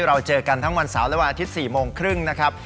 เราเจอกันทั้งวันเสาร์และวันอาทิตย์๔โมงครึ่งนะครับ